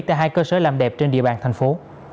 tại hai cơ sở làm đẹp trên địa bàn thành phố